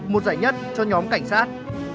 một giải nhất cho nhóm cảnh sát